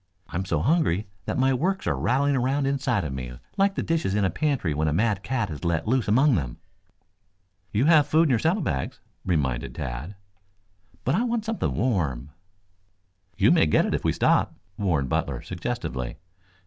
I'm so hungry that my works are rattling around inside of me like the dishes in a pantry when a mad cat is let loose among them." "You have food in your saddle bags," reminded Tad. "But I want something warm." "You may get it if you stop," warned Butler suggestively.